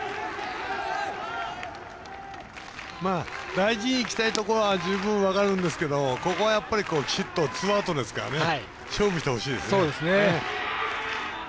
大事にいきたいところは十分、分かるんですけどここは、ぴしっとツーアウトですから勝負してほしいですね。